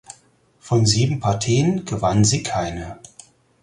Von sieben Partien gewann sie keine.